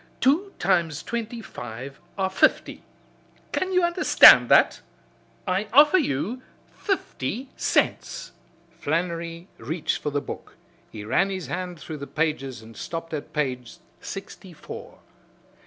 Two times twenty five are fifty! Can you understand that? I offer you fifty cents." Flannery reached for the book. He ran his hand through the pages and stopped at page sixty four.